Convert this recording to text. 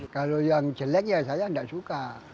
kalau yang jelek ya saya nggak suka